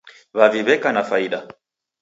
W'avi w'eka na faida